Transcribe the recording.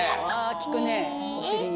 効くねお尻に。